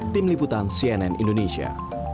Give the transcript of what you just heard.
tim liputan cnn indonesia